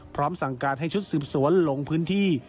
พร้อมสั่งการให้ชุดสืบสวนลงพื้นที่